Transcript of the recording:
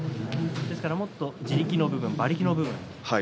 もっと地力の部分馬力の部分。